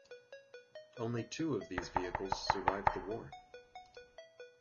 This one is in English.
Only two of these vehicles survived the war.